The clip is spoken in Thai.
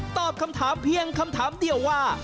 ตอบคำถามเพียงคำถามเดียวว่า